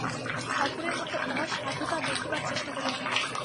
অপরের মধ্যে অসাধুতা দেখিবার চেষ্টা করিও না।